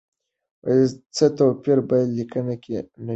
څه توپیر په لیکنه کې نه وینو؟